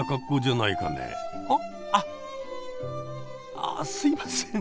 ああすいません。